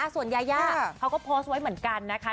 ส่วนยาย่าก็พอร์สไว้เหมือนกันนะคะ